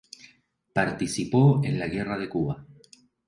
Participó en la Guerra de Cuba.